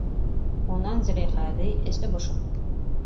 Унан Зөләйха әбей, эсе бошоп: